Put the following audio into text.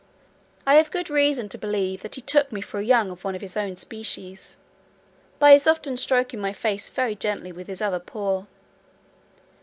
I have good reason to believe, that he took me for a young one of his own species, by his often stroking my face very gently with his other paw.